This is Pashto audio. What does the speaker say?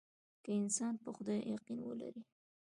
که انسان په خدای يقين ولري.